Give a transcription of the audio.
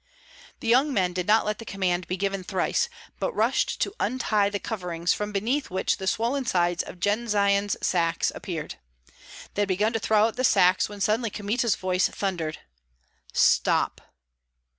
The young men did not let the command be given thrice, but rushed to untie the coverings, from beneath which the swollen sides of Jendzian's sacks appeared. They had begun to throw out the sacks, when suddenly Kmita's voice thundered, "Stop!"